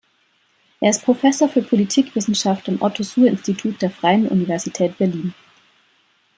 Er ist Professor für Politikwissenschaft am Otto-Suhr-Institut der Freien Universität Berlin.